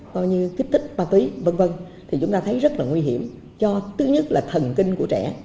coi như kích thích ma túy v v thì chúng ta thấy rất là nguy hiểm thứ nhất là thần kinh của trẻ